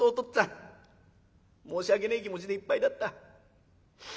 っつぁん申し訳ねえ気持ちでいっぱいだった。